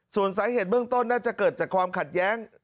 ส่วนสาเหตุเบื้องต้นน่าจะเกิดจากความขัดแย้ง